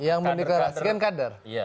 yang mendeklarasikan kader